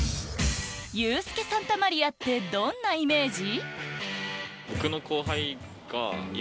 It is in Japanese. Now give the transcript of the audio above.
ユースケ・サンタマリアってどんなイメージ？